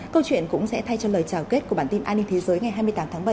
câu chuyện cũng sẽ thay cho lời chào kết của bản tin an ninh thế giới ngày hai mươi tám tháng bảy